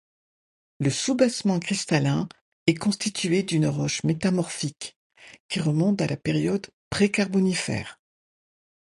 Le soubassement cristallin est constitué d'une roche métamorphique, qui remonte à la période précarbonifère.